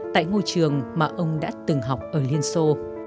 tại ngôi trường mà ông đã từng học ở liên xô